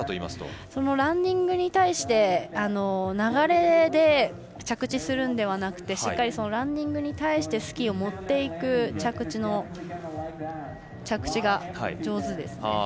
ランディングに対して流れで着地するんではなくてしっかりランディングに対してスキーを持っていく着地が上手ですね。